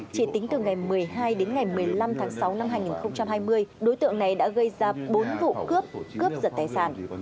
chỉ tính từ ngày một mươi hai đến ngày một mươi năm tháng sáu năm hai nghìn hai mươi đối tượng này đã gây ra bốn vụ cướp cướp giật tài sản